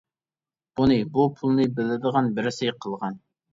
بۇنى بۇ پۇلنى بىلىدىغان بىرسى قىلغان.